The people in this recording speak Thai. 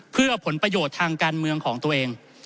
เพื่อผลประโยชน์ทางการเมืองของตัวเอง